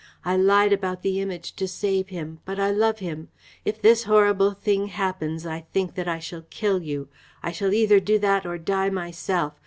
I lied about the Image to save him, but I love him. If this horrible thing happens, I think that I shall kill you. I shall either do that or die myself.